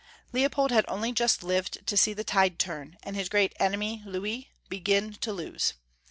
Leopold had only just lived to see the tide turn, and his great enemy, Louis, begin to lose.